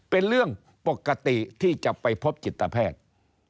เป็นเรื่องปกติที่จะไปพบจิตแพทย์